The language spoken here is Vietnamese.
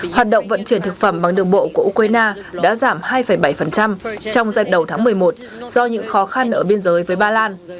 hoạt động vận chuyển thực phẩm bằng đường bộ của ukraine đã giảm hai bảy trong dạng đầu tháng một mươi một do những khó khăn ở biên giới với ba lan